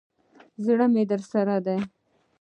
زړه مي درسره دی.